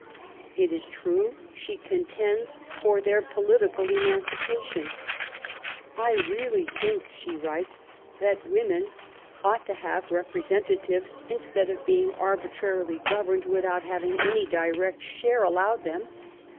It is true she contends for their political emancipation. ^^ I really think/' she writes, '' that women ought to have repre THE EIGHTS OF WOMEN. 91 sentatives instead of being arbitrarily governed without having any direct share allowed them in.